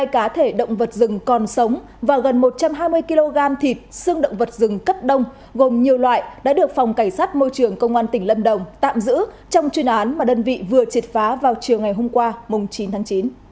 hai mươi cá thể động vật rừng còn sống và gần một trăm hai mươi kg thịt xương động vật rừng cấp đông gồm nhiều loại đã được phòng cảnh sát môi trường công an tỉnh lâm đồng tạm giữ trong chuyên án mà đơn vị vừa triệt phá vào chiều ngày hôm qua chín tháng chín